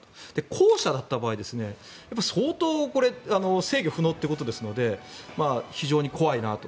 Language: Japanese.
後者だった場合、相当これ制御不能ということですので非常に怖いなと。